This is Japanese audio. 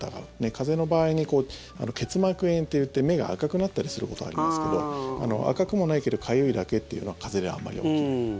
風邪の場合に結膜炎っていって目が赤くなったりすることありますけど赤くもないけどかゆいだけっていうのは風邪ではあまり起きない。